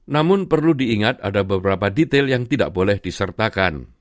namun perlu diingat ada beberapa detail yang tidak boleh disertakan